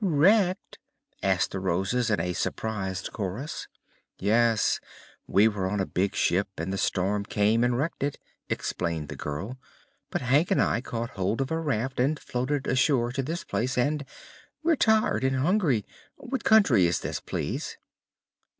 "Wrecked?" asked the Roses in a surprised chorus. "Yes; we were on a big ship and the storm came and wrecked it," explained the girl. "But Hank and I caught hold of a raft and floated ashore to this place, and we're tired and hungry. What country is this, please?"